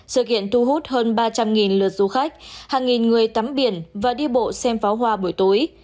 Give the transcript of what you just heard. sự kiện thu hút hơn ba trăm linh lượt du khách hàng nghìn người tắm biển và đi bộ xem pháo hoa buổi tối